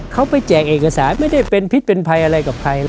เขาไปแจกเอกสารไม่ได้เป็นพิษเป็นภัยอะไรกับใคร